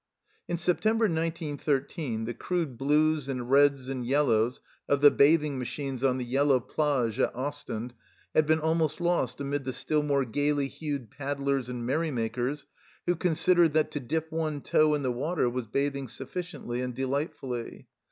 In September, 1913, the crude blues and reds and yellows of the bathing machines on the yellow plage at Ostend had been almost lost amid the still more gaily hued paddlers and merry makers who considered that to dip one toe in the water was bathing sufficiently and delightfully.